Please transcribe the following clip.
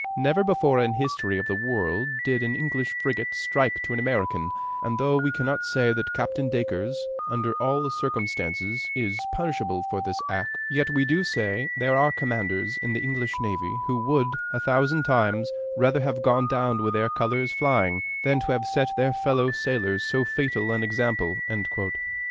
Never before in the history of the world did an English frigate strike to an American; and though we cannot say that Captain Dacres, under all circumstances, is punishable for this act, yet we do say there are commanders in the English navy who would a thousand times rather have gone down with their colors flying, than have set their fellow sailors so fatal an example."